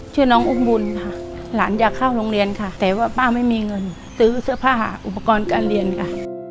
ชื่อน้องอุ้มบุญค่ะหลานอยากเข้าโรงเรียนค่ะแต่ว่าป้าไม่มีเงินซื้อเสื้อผ้าอุปกรณ์การเรียนค่ะ